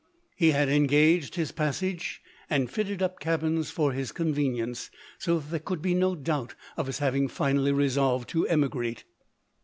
He had engaged his pas sage, and fitted up cabins for his convenience, so that there could be no doubt of his having finally resolved to emigrate.